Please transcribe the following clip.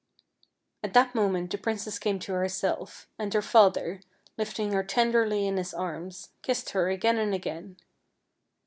At that moment the princess came to herself, and her father, lifting her tenderly in his arms, kissed her again and again.